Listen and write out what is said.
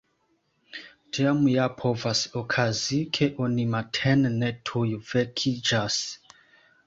Tiam ja povas okazi, ke oni matene ne tuj vekiĝas.